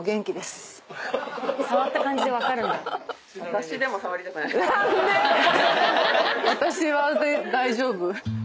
何で⁉私は大丈夫。